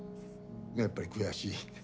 やっぱり悔しい。